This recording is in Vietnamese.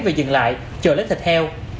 và dừng lại chờ lấy thịt heo